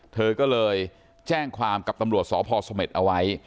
เธอก็เลยแจ้งความกับตำรวจสพสเมษเอาไว้